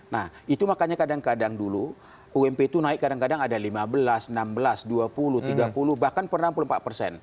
nah itu makanya kadang kadang dulu ump itu naik kadang kadang ada lima belas enam belas dua puluh tiga puluh bahkan per enam puluh empat persen